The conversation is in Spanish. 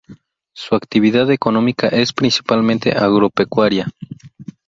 Su actividad económica es principalmente agropecuaria.